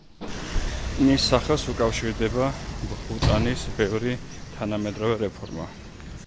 მის სახელს უკავშირდება ბჰუტანის ბევრი თანამედროვე რეფორმა.